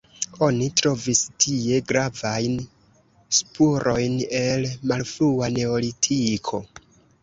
Oni trovis tie gravajn spurojn el malfrua neolitiko.